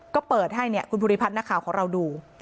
ก็เปิดให้เนี่ยคุณภูริพัฒน์นักข่าวของเราดู